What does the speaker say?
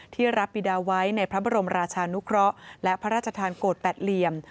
ที่รับบิดาไว้ในพระบรมราชานุเคราะห์และพระราชทานโกรธแปดเหลี่ยม